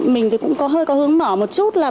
mình thì cũng có hơi có hướng mở một chút là